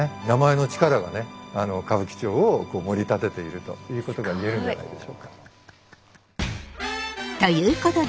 名前の力がね歌舞伎町を盛り立てているということが言えるんじゃないでしょうか。